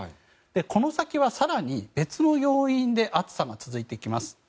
この先は更に別の要因で暑さが続いていきます。